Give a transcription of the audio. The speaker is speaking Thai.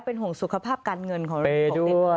เป็นห่วงสุขภาพการเงินของเรา